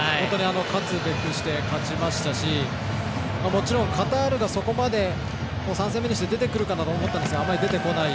勝つべくして勝ちましたしもちろん、カタールがそこまで３戦目にして出てくるかと思ったんですがあんまり出てこない。